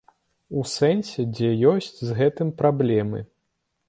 У сэнсе дзе ёсць з гэтым праблемы.